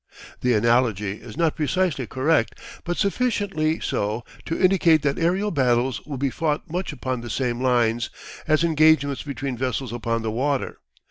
The analogy is not precisely correct but sufficiently so to indicate that aerial battles will be fought much upon the same lines, as engagements between vessels upon the water.